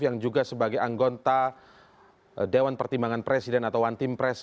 yang juga sebagai anggota dewan pertimbangan presiden atau one team press